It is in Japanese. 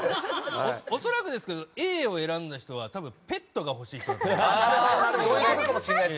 恐らくですけどＡを選んだ人は多分、ペットが欲しい人だと思います。